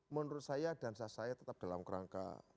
menurut saya dansa saya tetap dalam kerangka